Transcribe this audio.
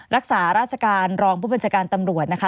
รักษาราชการรองผู้บัญชาการตำรวจนะคะ